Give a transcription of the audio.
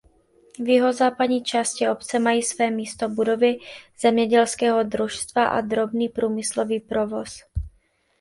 V jihozápadní části obce mají své místo budovy zemědělského družstva a drobný průmyslový provoz.